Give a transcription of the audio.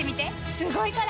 すごいから！